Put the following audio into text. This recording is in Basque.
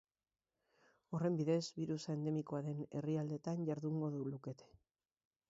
Horren bidez, birusa endemikoa den herrialdeetan jardungo lukete.